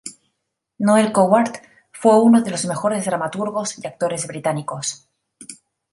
Noël Coward, fue uno de los mejores dramaturgos y actores británicos.